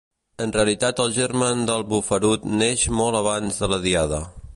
En realitat el germen del bufarut neix molt abans de la Diada